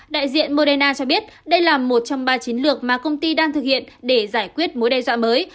đại diện moderna cho biết đây là một trong ba chiến lược mà công ty đang thực hiện để giải quyết mối đe dọa mới